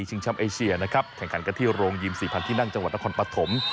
ช้ำเอเชียนะครับแข่งขันกันที่โรงยิม๔๐๐ที่นั่งจังหวัดนครปฐม